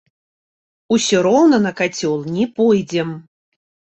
Усё роўна на кацёл не пойдзем!